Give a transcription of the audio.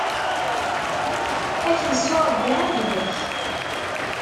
Ad ak-issu, Ṛebbi idel-ak!